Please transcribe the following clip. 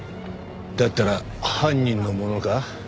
だったら犯人のものか？